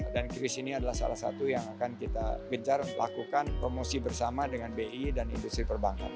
dan kris ini adalah salah satu yang akan kita kejar lakukan promosi bersama dengan bi dan industri perbankan